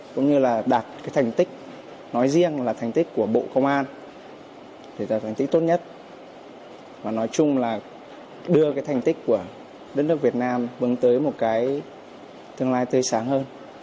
cũng như là đạt cái thành tích nói riêng là thành tích của bộ công an để đạt thành tích tốt nhất và nói chung là đưa cái thành tích của đất nước việt nam bấm tới một cái tương lai tươi sáng hơn